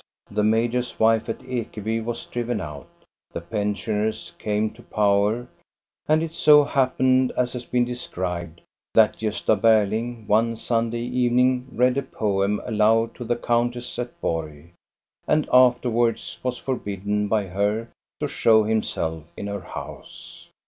The major's wife at Ekeby was driven out, the pensioners came to power, and it so happened, as has been described, that Gosta Berling one Sunday evening read a poem aloud to the countess at Borg, and afterwards was forbidden by her to show himself in her house.